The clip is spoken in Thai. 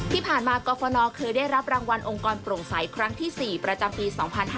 ที่ผ่านมากรฟนเคยได้รับรางวัลองค์กรโปร่งใสครั้งที่๔ประจำปี๒๕๕๙